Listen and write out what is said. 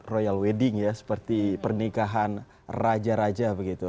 royal wedding ya seperti pernikahan raja raja begitu